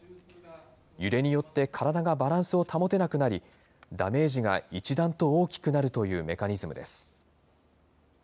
揺れによって体がバランスを保てなくなり、ダメージが一段と大きくなるというメカニズムです。